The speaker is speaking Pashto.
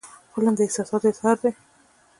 فلم د احساساتو اظهار دی